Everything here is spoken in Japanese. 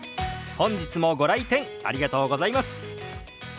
本日もご来店ありがとうございます。